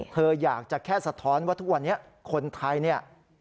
เธออยากจะแค่สะท้อนว่าทุกวันนี้คนไทยเนี่ย